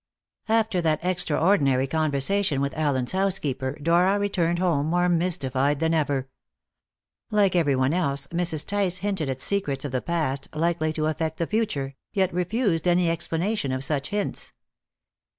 After that extraordinary conversation with Allen's housekeeper, Dora returned home more mystified than ever. Like everyone else, Mrs. Tice hinted at secrets of the past likely to affect the future, yet refused any explanation of such hints.